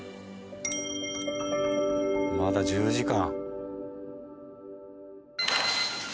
まだ１０時間。